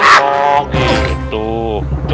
sambing saya ngejedok aja